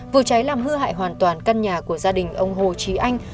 vụ cháy làm hư hại hoàn toàn căn nhà của gia đình ông hồ trí anh